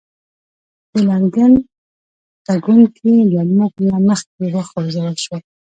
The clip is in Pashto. د لندن تګونکي له موږ نه مخکې وخوځول شول.